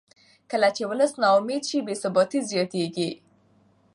کله چې ولس نا امیده شي بې ثباتي زیاتېږي